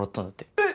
えっ！